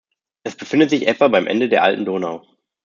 Es befindet sich etwa beim Ende der Alten Donau.